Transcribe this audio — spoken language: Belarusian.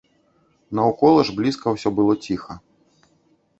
Наўкола ж блізка ўсё было ціха.